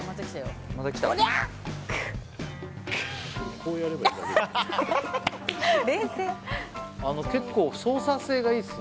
こうやればいいだけですよ。